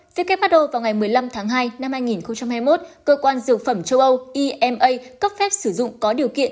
who vào ngày một mươi năm tháng hai năm hai nghìn hai mươi một cơ quan dược phẩm châu âu ema cấp phép sử dụng có điều kiện